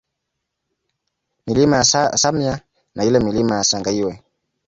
Milima ya Samya na ile Milima ya Sangaiwe